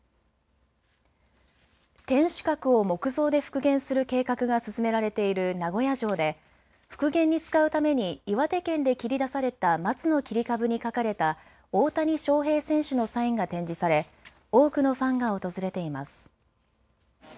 天守閣を木造で復元する計画が進められている名古屋城で復元に使うために岩手県で切り出されたマツの切り株に書かれた大谷翔平選手のサインが展示され多くのファンが訪れています。